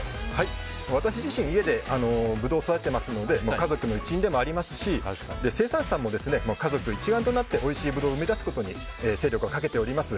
私自身家でブドウを育てていますので家族の一員でもありますし生産者さんも家族一丸となっておいしいブドウを生み出すことに精力をかけております。